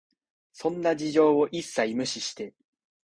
そんな事情を一切無視して、